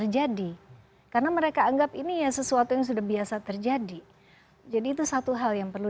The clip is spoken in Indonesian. jadi karena mereka anggap ini ya sesuatu yang sudah biasa terjadi jadi itu satu hal yang perlu